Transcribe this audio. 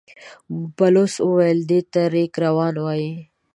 بلوڅ وويل: دې ته رېګ روان وايي.